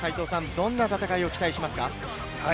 どんな戦いを期待しますか？